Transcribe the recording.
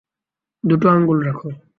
দুটো আঙুল রাখো।